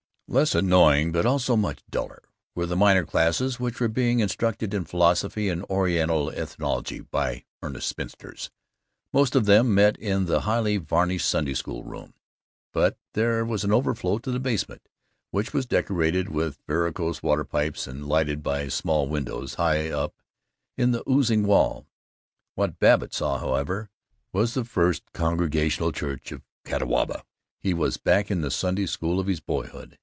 Less annoying but also much duller were the minor classes which were being instructed in philosophy and Oriental ethnology by earnest spinsters. Most of them met in the highly varnished Sunday School room, but there was an overflow to the basement, which was decorated with varicose water pipes and lighted by small windows high up in the oozing wall. What Babbitt saw, however, was the First Congregational Church of Catawba. He was back in the Sunday School of his boyhood.